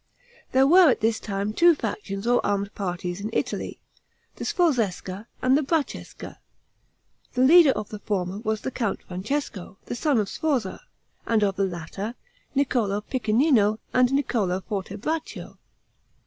There were at this time two factions or armed parties in Italy, the Sforzesca and the Braccesca. The leader of the former was the Count Francesco, the son of Sforza, and of the latter, Niccolo Piccinino and Niccolo Fortebraccio.